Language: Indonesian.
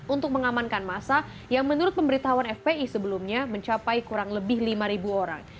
untuk mengamankan masa yang menurut pemberitahuan fpi sebelumnya mencapai kurang lebih lima orang